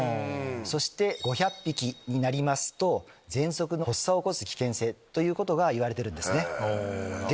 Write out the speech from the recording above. そして５００匹になりますとぜん息の発作を起こす危険性ということがいわれてるんですね。